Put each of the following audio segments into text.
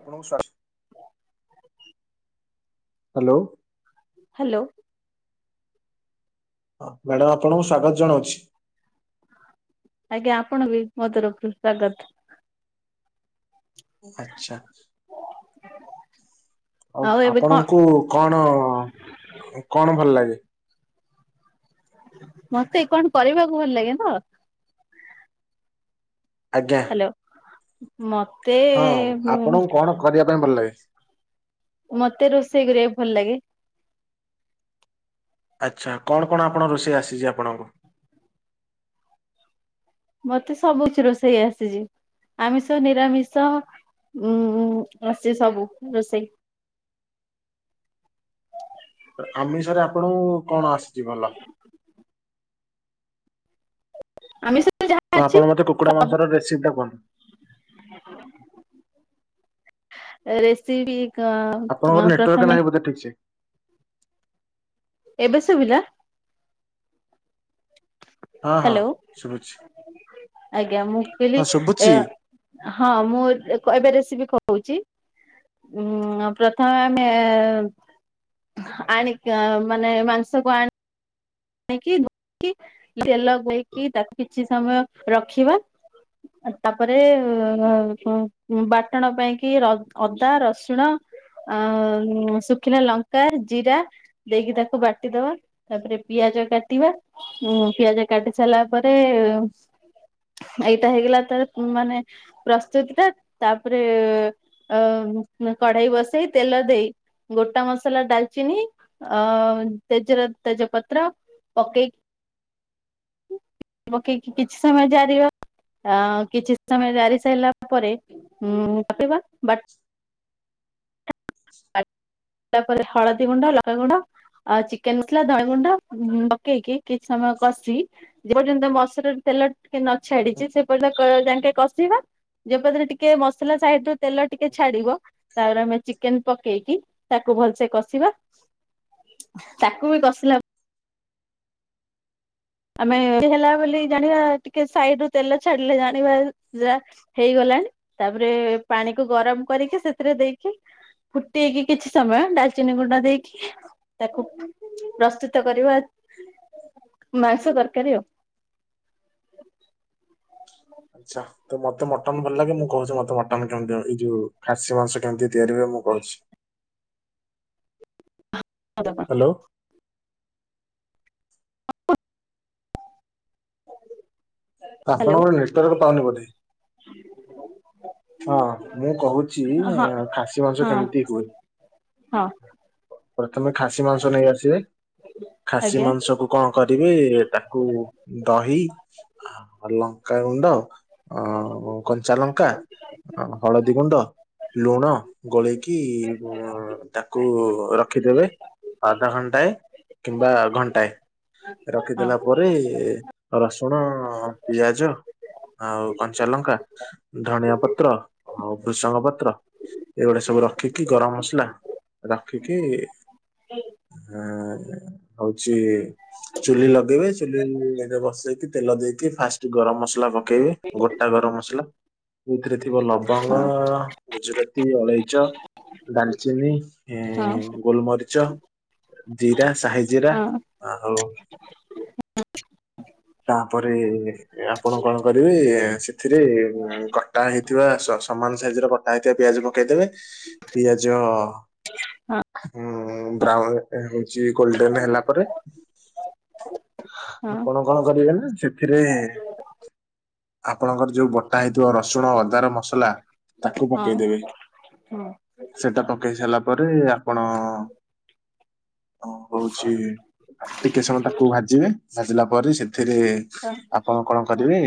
ଆପଣ ସାସ୍ଥ୍ୟ hello hello ହଁ, ମ୍ୟାଡାମ ଆପଣଙ୍କୁ ସ୍ଵାଗତ ଜଣାଉଛି। ଆଜ୍ଞା ଆପଣ ବି ମୋ ତରଫରୁ ସ୍ଵାଗତ। ଆଚ୍ଛା। ଆଉ ଏବେ କଣ ଆପଣଙ୍କୁ କଣ କଣ ଭଲ ଲାଗେ? ମତେ କଣ କରିବାକୁ ଭଲ ଲାଗେ ତ। ଆଜ୍ଞା। [unintelligible] ମ ହଁ ଆପଣଙ୍କୁ କଣ କରିବା ପାଇଁ ଭଲ ଲାଗେ? ମତେ ରୋଷେଇ କରିବାକୁ ଭଲ ଲାଗେ। ଆଚ୍ଛା କଣ କଣ ଆପଣ ରୋଷେଇ ଆସିଚି ଆପଣଙ୍କୁ? ମତେ ସବୁ କିଛି ରୋଷେଇ ଆସିଚି ଆମିଷ ନିରାମିଷ। ଉୁଁ ଆସ୍ଚି ସବୁ ରୋଷେଇ। ଆ ଆମିଷରେ ଆପଣଙ୍କୁ। କଣ ଆସ୍ଚି ଭଲ। ଆମିଷ ଯାହା ତ ଅଛି ଆପଣ ମତେ କୁକୁଡ଼ା ସବୁ ମାଂସର ରେସିପିଟା କୁହନ୍ତୁ? ରେସିପି। କ ଅଁ ପ୍ରଥମେ। ଆ ଠିକ୍ସେ। ଏବେ ଶୁଭିଲା? ହଁ ହଁ ହେଲୋ ଶୁଭୁଛି ଆଜ୍ଞା ମୁଁ ହଁ କହିଲି ଶୁଭୁଛି। ଏଅ ହଁ ମୁଁ ଏ ଏ କ ଏବେ ରେସିପି କହୁଚି। ଉଁ ପ୍ରଥମେ ଆମେ। ଆଣିକି ଅ ମାନେ ମାଂସକୁ ଆ ଣିକି ଧୋଉକି ତେଲ ଦେଇକି ତାକୁ କିଛି ସମୟ ରଖିବା। ତାପରେ ବାଟଣ ପାଇଁ କି ର ଅଦା ରସୁଣ। ଆ ଶୁଖିଲା ଲଙ୍କା ଜିରା ଦେଇକି ତାକୁ ବାଟିଦବା ତାପରେ। ପିଆଜ କାଟିବା ଉଁ ପିଆଜ କାଟି ସାରିଲା ପରେ। ଏଇଟା ହେଇଗଲା ତାର ମାନେ। ପ୍ରସ୍ତୁତି ଟା ତାପରେ ଅ କଢେଇ ବସେଇ ତେଲ ଦେଇ। ଗୋଟା ମସଲା ଡାଲ୍ଚିନି ଅ ତେଜର ତେଜପତ ତ୍ର ପକେଇ ପକେଇକି କିଛି ସମୟ ଜାରିବ। ଆ କିଛି ସମୟ ଜାରି ସାରିଲା ପରେ ଉଁ ବାଟିବା ବା ଟିଲା ପରେ ହଳଦୀ ଗୁଣ୍ଡ ଲଙ୍କା ଗୁଣ୍ଡ। ଆ ଚିକେନ୍ ମସଲା ଧଣିଆ ଗୁଣ୍ଡ ଉଁ ପକେଇକି କିଛି ସମୟ କଷି ଯେପର୍ଯ୍ୟନ୍ତ ମସଲା ତେଲ ଟିକେ ନ ଛାଡିଚି ସେପର୍ଯ୍ୟ କ ଯାଙ୍କେ କଷିବା ଯେପର୍ଯ୍ୟନ୍ତ ଟିକେ ମସ୍ଲା ସାଇଡ୍ ରୁ। ତେଲ ଟିକେ ଛାଡିବ ତାପରେ ଆମେ ଚିକେନ୍ ପକେଇକି। ତାକୁ ଭଲ୍ସେ କଷିବା ତାକୁ ବି କସିଲା। ଆମେ ହେଲା ବୋଲି ଜାଣିବା ଟିକେ ସାଇଡ୍ ରୁ ତେଲ ଛାଡିଲେ ଜାଣିବା ଯା ହେଇଗଲାଣି ତାପରେ ପାଣିକୁ ଗରମ୍ କରିକି ସେଥିରେ ଦେଇକି। ଫୁଟେଇକି କିଛି ସମୟ ଡାଲ୍ଚିନି ଗୁଣ୍ଡ ଦେଇକି ତାକୁ। ପ୍ରସ୍ତୁତ କରିବା। ମାଂସ ତର୍କାରୀ ଆଉ। ଆଚ୍ଛା ତ ମତେ ମଟନ୍ ଭଲ ଲାଗେ ମୁଁ କହୁଚି ମତେ ମ ଟନ୍ କେମିତି ଏଇ ଯୋଉ ଖାସୀ ମାଂସ କେମତି ତିଆରି ହୁଏ ମୁଁ କହୁଛି। ଆଉ କାହାକୁ। ହାଲୋ। ହ୍ୟାଲୋ ଆପଣଙ୍କର ନେଟୱାର୍କ ପାଉନି ବୋଧେ। [unintelligible] ହଁ ମୁଁ କହୁଛି ହଁ ଖାସି ମାଂସ ହଁ କେମିତି ହୁଏ। ହଁ ପ୍ରଥମେ ଖାସି ମାଂସ ନେଇ ଆସିବେ ଖାସି ଆଜ୍ଞା ମାଂସକୁ। କଣ କରିବେ ତାକୁ ଦହି। ଲଙ୍କାଗୁଣ୍ଡ କଞ୍ଚା ଲଙ୍କା। ହଳଦୀ ଗୁଣ୍ଡ। ଲୁଣ ଗୋଳେଇକି ଉ ତାକୁ ରଖିଦେବେ। ଆଧେ ଘଣ୍ଟାଏ କିମ୍ବା ଘଣ୍ଟାଏ। ରଖିଦେଲା ହଁ ପରେ ରସୁଣ ପିଆଜ। ଆଉ କଞ୍ଚା ଲଙ୍କା ଧଣିଆ ପତ୍ର ଆଉ ଭୃଷଙ୍ଗ ପତ୍ର। ଏଗୁଡା ସବୁ ରଖିକି ଗରମ ମସଲା ରଖିକି। ହଁ ହଉଛି। ଚୁଲି ଲଗେଇବେ ଚୁଲିରେ ବସେଇକି ତେଲ ଦେଇକି ଫାଷ୍ଟ ଗରମ ମସଲା କ ପକେଇବେ ଗୋଟା ଗରମ ମସଲା। ସେଥିରେ ଥିବା ଲବଙ୍ଗ ଗୁଜୁରାତି ଅଳେଇଚ। ଡାଲଚିନି ହଁ ଗୋଲମରିଚ। ଜିରା ସାହି ଜିରା ହଁ ଆଉ। ତାପରେ। ଆପଣ କଣ କରିବେ ସେଥିରେ ଉ କଟା ହେଇଥିବା ସମାନ ସାଇଜ ରେ କଟା ହେଇଥିବା ପିଆଜ ପକେଇଦେବେ ପିଆଜ। ହୁଁ ବ୍ରାଉନ ହେଇଛି ଗୋଲଡେନ ହେଲା ପରେ। ହଁ। ଆପଣ କଣ କରିବେନା। ସେଥିରେ ଆପଣଙ୍କର ଯୋଉ ବଟା ହେଇଥିବ ରସୁଣ ଅଦାର ମସଲା। ତାକୁ ହଁ ହଁ ପକେଇଦେବେ ହଁ ସେଟା ପକେଇ ସାରିଲା ପରେ ଆପଣ। ହ ହଉଛି ଟିକେ ସମୟ ତାକୁ ଭାଜିବେ ଭାଜିଲା ପରେ ସେ ଥିରେ। ହଁ ଆପଣ କଣ କରିବେ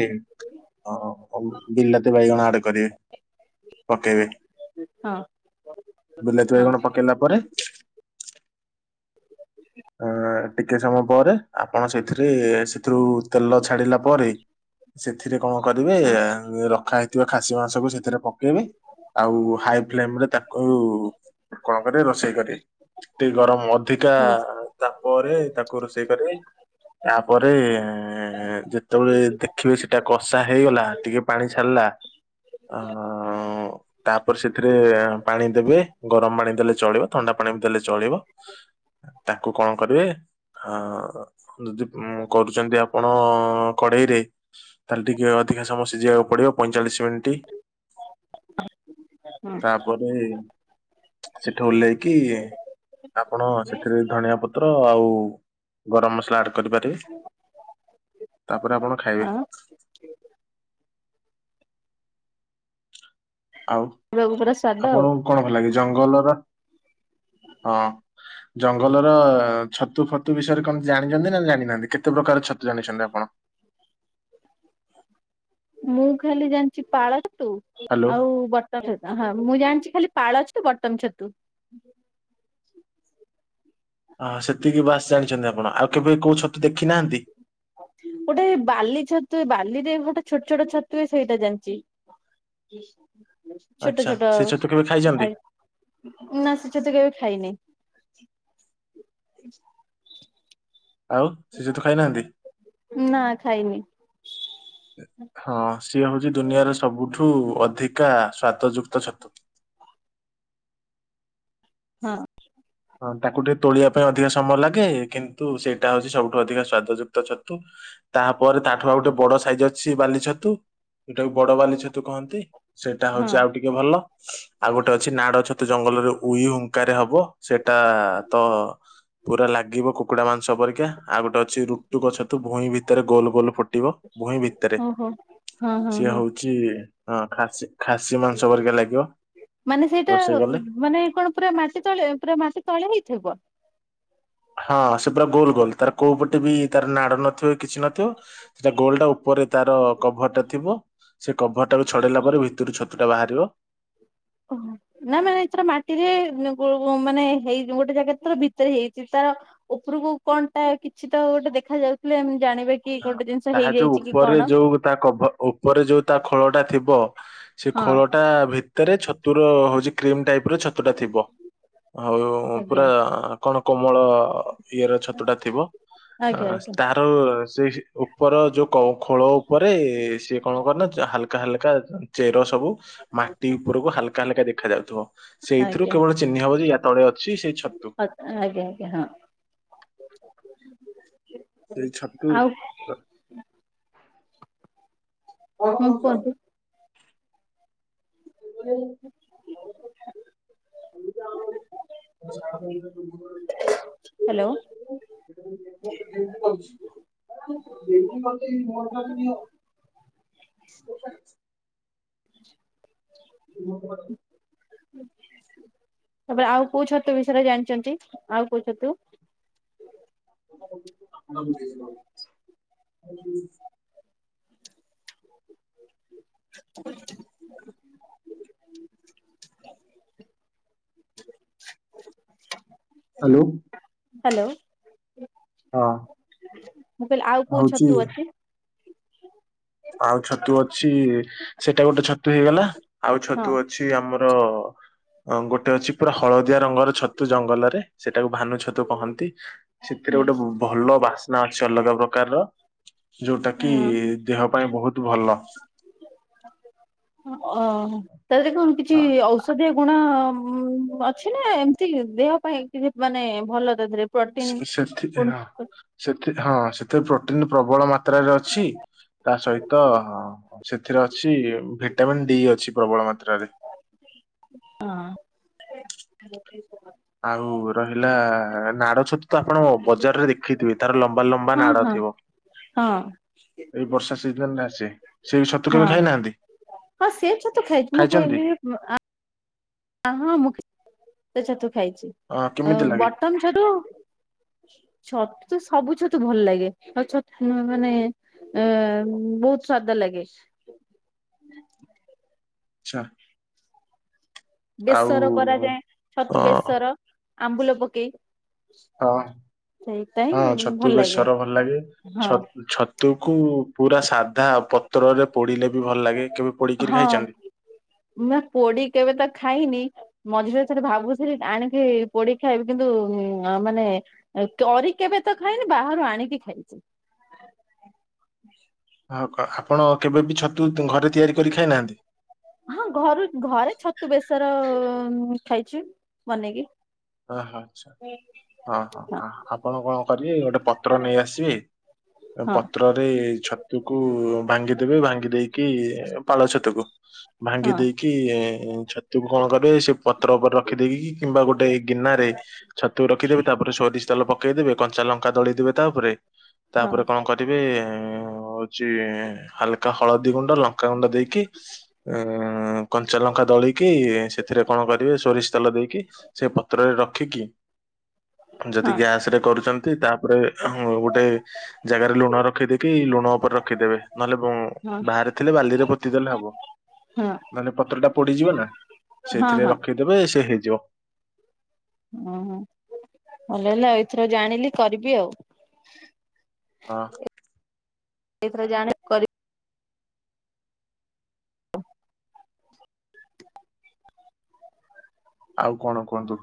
ବିଲାତି ବାଇଗଣ ଆଡ କରିବେ। ପକେଇବେ ବିଲାତି ହଁ ବାଇଗଣ ପକେଇଲା ପରେ। ଅ ଟିକେ ସମୟ ପରେ ଆପଣ ସେଥିରେ ସେଥିରୁ ତେଲ ଛାଡିଲା ପରେ। ସେଥିରେ କଣ କରିବେ ହଁ ରଖାହେଇ ଥିବା ଖାସି ମାଂସକୁ ସେଥିରେ ପକେଇବେ ଆଉ ହାଇ ଫ୍ଲେମ ରେ ତାକୁ। କଣ କରିବେ ରୋଷେଇ କରିବେ ଟିକେ ଗରମ ଅଧିକା ହଁ ତାପରେ ତାକୁ ରୋଷେଇ କରିବେ ତାପରେ ଯେ ତେବେଳେ ଦେଖିବି ସେଟା କଷା ହେଇଗଲା ଟିକେ ପାଣି ଛାଡ଼ିଲା ଅ ତାପରେ ସେଥିରେ ପାଣି ଦେବେ ଗରମ ପାଣି ଦେଲେ ଚଳିବ ଥଣ୍ଡା ପାଣି ବି ଦେଲେ ଚଳିବ। ତାକୁ କଣ କରିବେ ହଁ। ଯଦି ଉଁ କରୁଛନ୍ତି ଆପଣ କଡେଇରେ ତାହେଲେ ଟିକେ ଅଧିକ ସମୟ ସିଝିବାକୁ ପଡିବ ପଇଁଚାଳିଶ ମିନିଟ୍। ତାପରେ। ସେଠୁ ଓହ୍ଲେଇକି ଆପଣ ସେଥିରେ ଧଣିଆ ପତ୍ର ଆଉ। ଗରମ ମସଲା ଆଡ କରିପାରିବେ ତାପରେ ଆପଣ ଖାଇବେ। ହଁ ଆଉ ହଁ ପୁରା ସ୍ଵାଦ ଆଉ। ଆପଣଙ୍କୁ କଣ ଭଲ ଲାଗେ ଜଙ୍ଗଲର ହଁ ଜଙ୍ଗଲର ଛତୁ ଫତୁ ବିଷୟରେ କଣ ଜାଣିଛନ୍ତି ନା ଜାଣିନାହାନ୍ତି କେ କେତେ ପ୍ରକାର ଛତୁ ଜାଣିଛନ୍ତି ଆପଣ? ମୁଁ ଖାଲି ଜାଣିଛି ପାଳ ଛତୁ ହ୍ୟାଲୋ ଆଉ ବ ଟ [unintelligible] ହଁ ମୁଁ ଜାଣିଛି ଖାଲି ପାଳ ଛତୁ ବଟମ୍ ଛତୁ। ଅ, ସେତିକି ବାସ୍ ଜାଣିଛନ୍ତି ଆପଣ, ଆଉ କେବେ କୋଉ ଛତୁ ଦେଖିନାହାନ୍ତି? ଗୋଟେ ବାଲି ଛତୁ ବାଲିରେ ଗୋଟେ ଛୋଟ ଛୋଟ ଛତୁ ହୁଏ ସେଇଟା ଜାଣିଚି। ଛୋଟ ଆଚ୍ଛା ଛୋଟ ସେ ଛତୁ କେବେ ଖାଇଛନ୍ତି? ଆ ନା ସେ ଛତୁ କେବେ ଖାଇନି। ଆଉ ସେ ଛତୁ ଖାଇ ନାହାନ୍ତି? ନା ଖାଇନି। ହଁ ସିଏ ହଉଛି ଦୁନିଆର ସବୁଠୁ ଅଧିକା ସ୍ୱାଦଯୁକ୍ତ ଛତୁ। ହଁ। ହଁ ତାକୁ ଟିକେ ତୋଳିବା ପାଇଁ ଅଧିକା ସମୟ ଲାଗେ। କିନ୍ତୁ ସେଇଟା ହଉଛି ସବୁଠୁ ଅଧିକ ସ୍ଵାଦଯୁକ୍ତ ଛତୁ। ତାପରେ ତାଠୁ ଆଉ ଗୋଟେ ବଡ ସାଇଜ ଅଛି ବାଲି ଛତୁ, ସେଟାକୁ ବଡ ବାଲି ଛତୁ କହନ୍ତି। ସେଇଟା ହଁ ହଉଛି ଆଉ ଟିକେ ଭଲ, ଆଉ ଗୋଟେ ଅଛି ନାଡ ଛତୁ ଜଙ୍ଗଲରେ ଉଇ ହୁଙ୍କାରେ ହବ। ସେଟା ତ ପୁରା ଲାଗିବ କୁକୁଡ଼ା ମାଂସ ପରିକା, ଆଉ ଗୋଟେ ଅଛି ରୁଟୁକ ଛତୁ ଭୁଇଁ ଭିତରେ ଗୋଲ ଗୋଲ ଫୁଟିବ। ଭୂଇଁ ଭିତରେ ଓହୋ ହଁ ହଁ ସିଏ ହଁ ହଉଛି ହଁ ଖାସି ଖାସି ମାଂସ ପରିକା ଲାଗିବ ମାନେ ସେଇଟା ରୋଷେଇ କଲେ। ମାନେ କଣ ପୁରା ମାଟି ତଳେ, ପୁରା ମାଟି ତଳେ ହେଇଥିବ? ହଁ ସେ ପୁରା ଗୋଲ ଗୋଲ ତାର କୋଉ ପଟେ ବି ତାର ନାଡ ନଥିବ କିଛି ନଥିବ, ସେଟା ଗୋଲଟା ଉପରେ ତାର କଭର୍ ଟା ଥିବ। ସେ କଭର୍ ଟାକୁ ଛଡ଼େଇଲା ପରେ ଭିତରୁ ଛତୁଟା ବାହାରିବ। ଓହୋ! ନା ମାନେ ସେଟା ମାଟିରେ ମାନେ କୋଉ ଓ ମାନେ ହେଇ ଯୋଉ ଗୋଟେ ଜାଗାରେ ଧର ଭିତରେ ହେଇଚି, ତାର ଉପରକୁ କଣଟା କିଛି ତ ଗୋଟେ ଦେଖାଯାଉଥିଲେ ଆମେ ଜାଣିବେ? ହଁ ତାହା ଯୋଉ ଉପରେ ଯୋଉ ତା କଭ ଉପରେ ଯୋଉ ତା ଖୋଳ ଟା ଥିବ ସେ ହଁ ଖୋଳଟା ଭିତରେ ଛତୁର ହଉଛି କ୍ରିମ୍ ଟାଇପ୍ ର ଛତୁ ଟା ଥିବ। ହଉ ଆଜ୍ଞା। ପୁରା କଣ କୋମଳ ଇଏର ଛତୁଟା ଥିବ। ଆଜ୍ଞା। ହଁ ଆଜ୍ଞା ତାର ସେହି ଉପର ଯୋଉ କ-ଖୋଳ ଉପରେ ସିଏ କଣ କରନା ଯ- ହାଲକା ହାଲକା ଚେର ସବୁ ମାଟି ଉପରକୁ ହାଲକା ହାଲକା ଦେଖା ଯାଉଥିବ। ସେଇଥିରୁ ଆଜ୍ଞା। କେବଳ ଚିହ୍ନି ହବ ଯେ ୟା ତଳେ ଅଛି ସେଇ ଛତୁ। ଆଜ୍ଞା, ଆଜ୍ଞା, ହଁ। ସେଇ ଛତୁ ଆଉ ହ୍ୟାଲୋ ହଁ ହୁଁ, କୁହନ୍ତୁ। [inaudible] [inaudible] [inaudible] ହ୍ୟାଲୋ। [inaudible] ବୁଦ୍ଧି ଖଟେଇ ମୋ ଠାରୁ ନିଅ। [inaudible] ତାପରେ ଆଉ କୋଉ ଛତୁ ବିଷୟରେ ଜାଣିଚନ୍ତି? ଆଉ କୋଉ ଛତୁ? [unintelligible] [unintelligible] ହ୍ୟାଲୋ। ହ୍ୟାଲୋ। ହଁ। ମୁଁ କହିଲି ଆଉ କୋଉ ଛତୁ ଅଛି? ଆଉ ଛତୁ ଅଛି-ଇ ସେଇଟା ଗୋଟେ ଛତୁ ହେଇଗଲା ଆଉ ହଁ ଛତୁ ଅ ଛି ଆମର ଗୋଟେ ଅଛି ପୁରା ହଳଦିଆ ରଙ୍ଗର ଛତୁ ଜଙ୍ଗଲରେ। ସେଟାକୁ ଭାନୁ ଛତୁ କହନ୍ତି। ସେଥିରେ ଗୋଟେ ବ ଭଲ ବାସ୍ନା ଅଛି ଅଲଗା ପ୍ରକାରର ଯୋଉଟା କି ନାଇ ବହୁତ ଭଲ। ଓ ହଁ [unintelligible] କଣ କିଛି ହଁ, ଔଷ ଔଷଧିୀୟ ଗୁଣ ଅଛି ନା ଏମିତି ଦେହ ପାଇଁ କି ମାନେ ଭଲ ତା ଧରେ? ସେ-ସେ-ସେଥି ହଁ ସେଥି ହଁ ସେଥିରେ ପ୍ରୋଟିନ ପ୍ରବଳ ମାତ ମାତ୍ରାରେ ଅଛି। ତା ସହିତ ସେଥିରେ ଅଛି ଭି ଭିଟାମିନ ଡି ଅଛି ପ୍ରବଳ ମାତ୍ରାରେ। ହଁ। ଆଉ ରହିଲା-ଆ ନାଡ ଛତୁ ତ ଆପଣ ବଜାରରେ ଦେଖିଥିବେ। ତାର ଲମ୍ବା ଲମ୍ବା ନାଡ ହଁ ହଁ ଥିବ। ହଁ ଏଇ ବର୍ଷା ସିଜନରେ ଆସେ। ସେଇ ଛତୁ ହଁ। କେବେ ଖାଇନାହାନ୍ତି ହଁ ସେ ଛତୁ ଖାଇଚି ମୁଁ ଖାଇଛନ୍ତି କହିଲି ଯେ ଆ ହଁ ମୁଁ କ [unintelligible] ଛତୁ ଖାଇଛି। ଅ କେମିତି ଲାଗେ? ବଟନ ଛତୁ ଛତୁ ତ ସବୁ ଛତୁ ଭଲ ଲାଗେ ଆଉ ଛ ମାନେ ଏ-ଉଁ ବହୁତ ସ୍ୱାଦ ଲାଗେ। ଆଚ୍ଛା। ଆଉ ବେସର କରାଯାଏ। ଛତୁ ହଁ। ବେସର ଆମ୍ବୁଲ ପକେଇ। ହଁ। ହଁ ସେଇଥିପାଇଁ ଭଲ ଛତୁ ଲାଗେ ବେସର ଭଲ ଲାଗେ। ହଁ ଛ- ଛ ତୁକୁ ପୁରା ସାଧା ପତ୍ରରେ ପୋଡିଲେ ବି ଭଲ ଲାଗେ। କେବେ ପୋଡିକିରି ହଁ ଖାଇଛନ୍ତି? ନା ପୋଡି କେବେ ତ ଖାଇନି ମଝିରେ ଥରେ ଭାବୁଥିଲି ଆଣିକି ପୋଡିକି ଖାଇବି କିନ୍ତୁ ମାନେ କରି କେବେ ତ ଖାଇନି ବାହାରୁ ଆଣିକି ଖାଇଛି। ଆଉ କ ଆପଣ କେବେ ବିି ଛତୁ ଘରେ ତିଆରି କରିକି ଖାଇନାହାନ୍ତି? ହଁ ଘରୁ ଘରେ ଛତୁ ବେସର-ଅ-ଅ ଖାଇଛି ବନେଇକି। ଓହୋ ଆଛା ହଁ ହଁ ଆପଣ କଣ କରିବେ ଗୋଟେ ପ ତ୍ର ନେଇ ଆସିବି। ହଁ ପତ୍ର ଏ ଛତୁକୁ ଭାଙ୍ଗିଦେବେ ଭାଙ୍ଗି ଦେଇକି ପାଳ ଛତୁକୁ। ଭାଙ୍ଗି ହଁ ଦେଇକି-ଏ ଛତୁକୁ କଣ କରିବ ସେ ପତ୍ର ଉପରେ ରଖିଦେଇକି କିମ୍ବା ଗୋଟେ ଗିନାରେ ଛତୁ ରଖିଦେବେ ତାପରେ ସୋରିଷ ତେଲ ପକେଇଦେବେ କଞ୍ଚା ଲଙ୍କା ଦଳିଦେବେ ତାଉପରେ। ତାପରେ କଣ ହଁ କରିବେ ହଉଛି ହାଲ ତ ହଳଦୀ ଗୁଣ୍ଡ ଲଙ୍କାଗୁଣ୍ଡ ଦେଇକି ଅଂ କଞ୍ଚା ଲଙ୍କା ଦଳିକି ସେଥିରେ କଣ କରିବେ ସୋରିଷ ତେଲ ଦେଇକି ସେ ପ ପତ୍ରରେ ରଖିକି ହଁ ଯଦି ହଁ ଗ୍ୟାସରେ କରୁଛନ୍ତି ତାପରେ ଗୋଟେ ଜାଗାରେ ଲୁଣ ରଖିଦେଇକି ଲୁଣ ଉପରେ ରଖିଦେବେ ନହେଲେ ବୁ ହଁ ବାହାରେ ଥିଲେ ବାଲିରେ ପୋତିଦେଲେ ହବ। ହଁ ମାନେ ପତ୍ର ଟା ପୋଡିଯିବ ନା। ହଁ ସେଇଥିରେ ହଁ ରଖିଦେବେ ସେ ହେଇଯିବ। ଓହୋ। ଭଲ ହେଲା ଆଉ ଏଥର ଜାଣିଲି କରିବି ଆଉ। ହଁ। ଏଇଥର ଜାଣି କର। ଆଉ କଣ କୁହନ୍ତୁ।